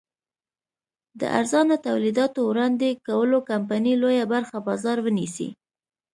د ارزانه تولیداتو وړاندې کولو کمپنۍ لویه برخه بازار ونیسي.